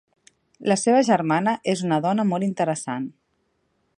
La seva germana és una dona molt interessant.